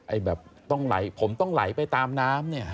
ไอ้แบบผมต้องไหลไปตามน้ำ